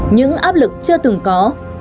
những áp lực chưa từng có